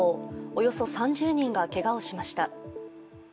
およそ３０人がけがをしました。